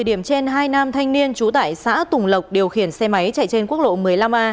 điểm trên hai nam thanh niên trú tại xã tùng lộc điều khiển xe máy chạy trên quốc lộ một mươi năm a